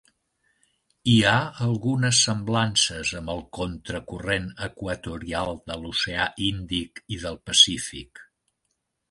Hi ha algunes semblances amb el Contra Corrent Equatorial de l'Oceà Índic i del Pacífic.